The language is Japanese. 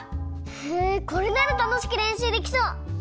へえこれならたのしくれんしゅうできそう！